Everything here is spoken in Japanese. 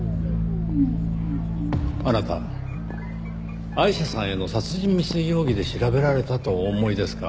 あなたアイシャさんへの殺人未遂容疑で調べられたとお思いですか？